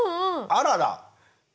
あらら。